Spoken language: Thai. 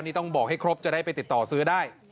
นี่ต้องบอกให้ครบจะได้ไปติดต่อซื้อได้